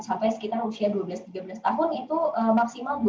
sampai sekitar usia dua belas tiga belas tahun itu maksimal dua puluh